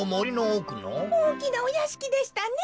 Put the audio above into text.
おおきなおやしきでしたね。